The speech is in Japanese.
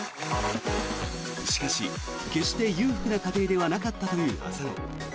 しかし決して裕福な家庭ではなかったという浅野。